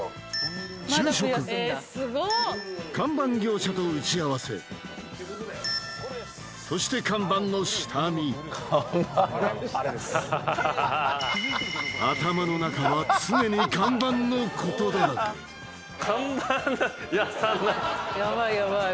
昼食看板業者と打ち合わせそして看板の下見頭の中は常に看板のことだらけヤバい